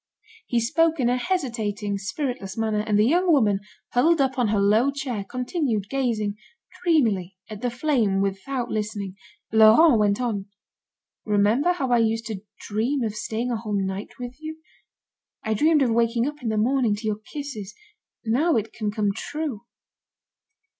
He spoke in a hesitating, spiritless manner, and the young woman, huddled up on her low chair, continued gazing dreamily at the flame without listening. Laurent went on: "Remember how I used to dream of staying a whole night with you? I dreamed of waking up in the morning to your kisses, now it can come true."